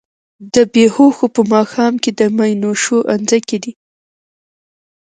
د بــــــې هــــــوښو په ماښام کي د مینوشو انځکی دی